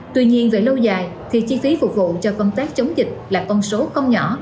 tuy nhiên về lâu dài thì chi phí phục vụ cho công tác chống dịch là con số không nhỏ